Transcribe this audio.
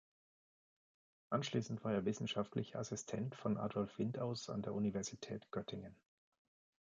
Anschließend war er wissenschaftlicher Assistent von Adolf Windaus an der Universität Göttingen.